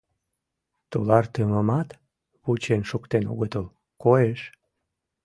— Тулартымымат вучен шуктен огытыл, коеш.